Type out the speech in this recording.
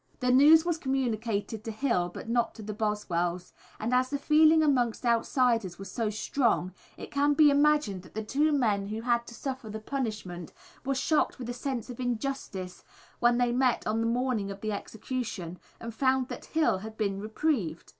The news was communicated to Hill but not to the Boswells, and as the feeling amongst outsiders was so strong, it can be imagined that the two men who had to suffer the punishment were shocked with a sense of injustice when they met on the morning of the execution and found that Hill had been reprieved.